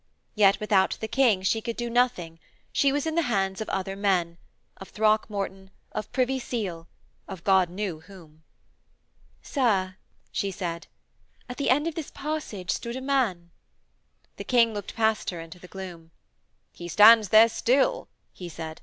Yet without the King she could do nothing; she was in the hands of other men: of Throckmorton, of Privy Seal, of God knew whom. 'Sir,' she said, 'at the end of this passage stood a man.' The King looked past her into the gloom. 'He stands there still,' he said.